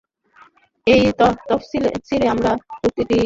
এই তাফসীরে আমরা তার প্রতিটির উপর আলোকপাত করেছি।